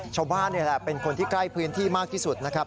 ชาวบ้านเนี่ยแหละเป็นคนที่ใกล้พื้นที่นะครับ